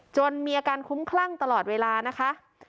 มีอาการคุ้มคลั่งตลอดเวลานะคะ